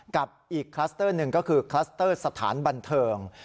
กับอีกคลัสเตอร์หนึ่งก็คือคลัสเตอร์สถานบันเทิง